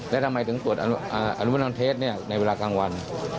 แล้วทำไมถึงตรวจอนุญาณเทสเนี่ยในเวลากลางวัน